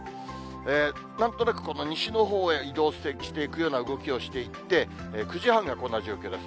なんとなく西のほうに移動していくような動きをしていって、９時半がこんな状況です。